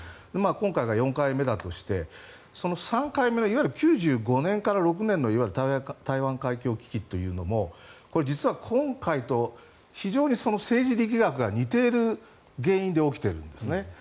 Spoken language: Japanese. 今回が４回目だとしてその３回目のいわゆる９５年から９６年の台湾海峡危機というのも実は、今回と非常に政治力学が似ている原因で起きているんですね。